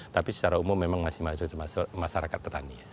tapi secara umum memang masih masyarakat petani